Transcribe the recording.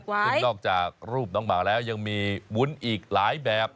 ซึ่งนอกจากรูปน้องหมาแล้วยังมีวุ้นอีกหลายแบบ